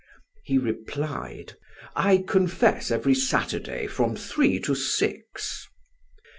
He replied: "I confess every Saturday from three to six."